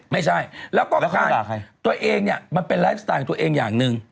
ไม่ใช่แล้วก็ตัวเองเนี่ยมันเป็นไลฟ์สไตล์ของตัวเองอย่างหนึ่ง